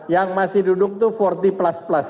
yang masih duduk itu empat puluh plus plus